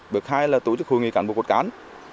bước hai là tổ chức hội nghị cán bộ cột cán